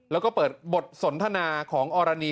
แล้วก็เปิดบทสนทนาของอรณี